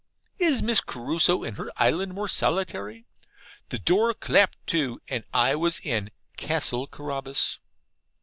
Is Miss Crusoe in her island more solitary? The door clapped to, and I was in Castle Carabas.